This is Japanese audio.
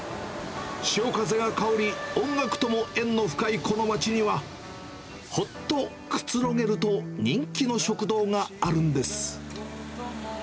潮風が香り、音楽とも縁の深いこの街には、ほっとくつろげると人気の食堂があるんです。